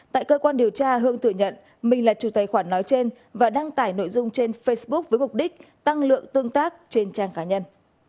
tại cơ quan điều tra hương thừa nhận mình là chủ tài khoản nói trên và đăng tải nội dung trên facebook với mục đích tăng lượng tương tác trên trang cá nhân